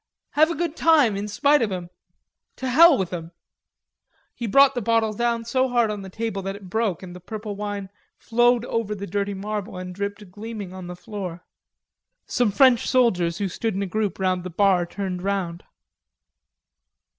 Have a good time, in spite of 'em. To hell with 'em." He brought the bottle down so hard on the table that it broke and the purple wine flowed over the dirty marble and dripped gleaming on the floor. Some French soldiers who stood in a group round the bar turned round.